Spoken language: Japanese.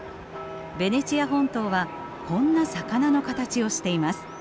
ベネチア本島はこんな魚の形をしています。